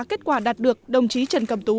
kết quả đạt được đồng chí trần cẩm tú